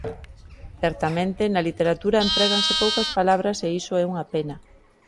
Certamente, na literatura empréganse poucas palabras e iso é unha pena.